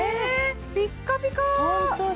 ピッカピカえ